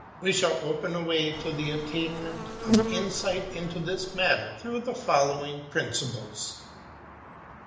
We shall open a way to the at tainment of insight into this matter through the following principles : 1.